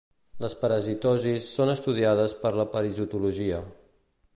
Les parasitosis són estudiades per la parasitologia.